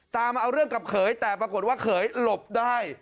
ตามมาเอาเรื่องกับเขยแต่ปรากฏว่าเขยหลบได้